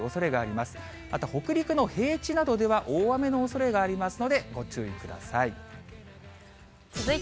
また北陸の平地などでは大雨のおそれがありますので、ご注意ください。